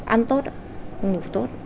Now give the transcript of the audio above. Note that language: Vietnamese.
ăn tốt ngủ tốt